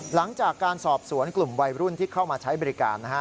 หลังจากการสอบสวนกลุ่มวัยรุ่นที่เข้ามาใช้บริการนะฮะ